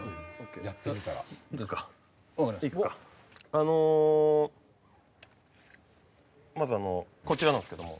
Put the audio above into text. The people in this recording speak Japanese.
あのまずこちらなんですけども。